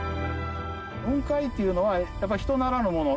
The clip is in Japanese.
雲海っていうのはやっぱり、人ならぬもの。